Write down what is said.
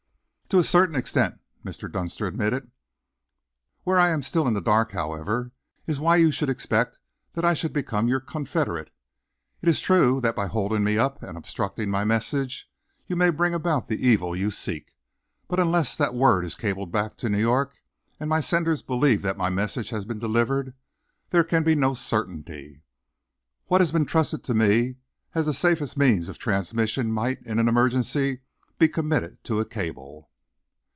"To a certain extent," Mr. Dunster admitted. "Where I am still in the dark, however, is why you should expect that I should become your confederate. It is true that by holding me up and obstructing my message, you may bring about the evil you seek, but unless that word is cabled back to New York, and my senders believe that my message has been delivered, there can be no certainty. What has been trusted to me as the safest means of transmission, might, in an emergency, be committed to a cable."